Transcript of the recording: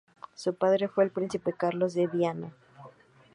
Su padre fue el príncipe Carlos de Viana.